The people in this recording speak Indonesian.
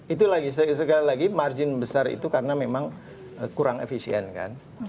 itu lagi sekali lagi margin besar itu karena memang kurang efisien kan